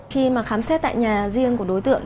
khi mà khám xét tại nhà riêng của đối tượng